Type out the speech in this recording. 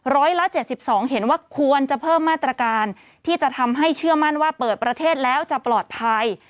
ร้อยละ๗๒เห็นว่าควรจะเพิ่มมาตรการที่จะทำให้เชื่อมั่นว่าเปิดประเทศแล้วจะปลอดภัย